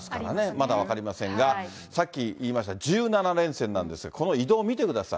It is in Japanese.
まだ分かりませんが、さっき言いました１７連戦なんですが、この移動、見てください。